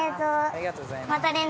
ありがとうございます。